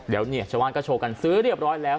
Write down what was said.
เดี๋ยวเนี่ยชาวบ้านก็โชว์กันซื้อเรียบร้อยแล้ว